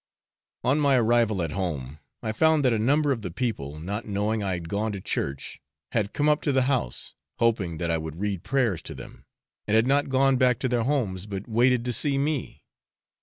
On my arrival at home, I found that a number of the people, not knowing I had gone to church, had come up to the house, hoping that I would read prayers to them, and had not gone back to their homes, but waited to see me.